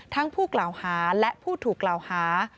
ผู้กล่าวหาและผู้ถูกกล่าวหา